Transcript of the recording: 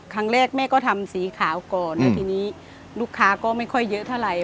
ครั้งแรกแม่ก็ทำสีขาวก่อนแล้วทีนี้ลูกค้าก็ไม่ค่อยเยอะเท่าไหร่